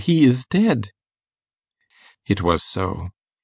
he is dead!' It was so.